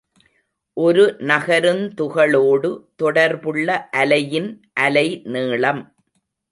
ஒரு நகருந் துகளோடு தொடர்புள்ள அலையின் அலைநீளம்.